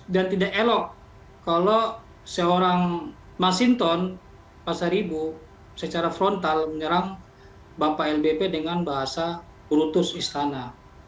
dan tidak elok kalau seorang masinton pasaribu secara frontal menyerang bapak lbp dengan bahasa brutus istana